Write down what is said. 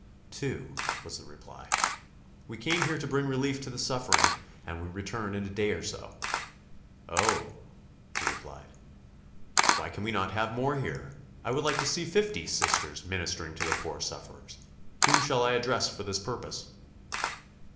"Two," was the reply. "We came here to bring relief to the suffering, and we return in a day or so." "Oh," he replied, "why can we not have more here? I would like to see fifty Sisters ministering to the poor sufferers. Whom shall I address for this purpose?"